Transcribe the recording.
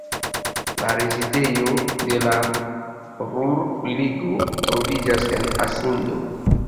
La rezidejo de la Ruhr-Ligo troviĝas en Asindo.